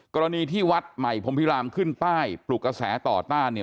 กรณีที่วัดใหม่พรมพิรามขึ้นป้ายปลุกกระแสต่อต้านเนี่ย